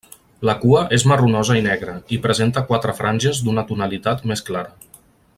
La cua és marronosa i negra, i presenta quatre franges d'una tonalitat més clara.